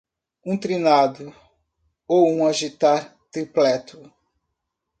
Um trinado? ou agitar tripleto.